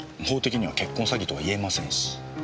法的には結婚詐欺とはいえませんし。